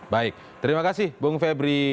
baik terima kasih bung febri